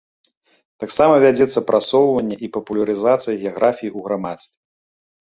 Таксама вядзецца прасоўванне і папулярызацыя геаграфіі ў грамадстве.